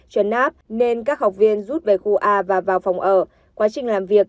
trần náp nên các học viên rút về khu a và vào phòng ở quá trình làm việc